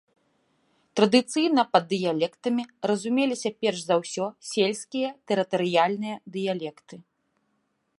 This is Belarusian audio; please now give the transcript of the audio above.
Традыцыйна пад дыялектамі разумеліся перш за ўсё сельскія тэрытарыяльныя дыялекты.